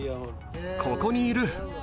ここにいる！